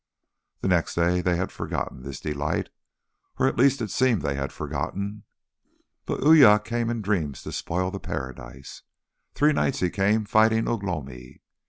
The next day they had forgotten this delight. Or at least, it seemed they had forgotten. But Uya came in dreams to spoil the paradise. Three nights he came fighting Ugh lomi.